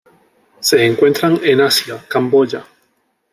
Se encuentran en Asia: Camboya.